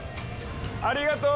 ありがとう！